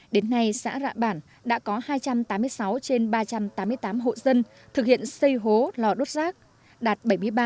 đến nay xã rạ bản đã có hai trăm tám mươi sáu trên ba trăm tám mươi tám hộ dân thực hiện xây hố lò đốt rác đạt bảy mươi ba